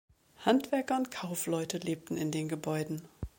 Handwerker und Kaufleute lebten in den Gebäuden.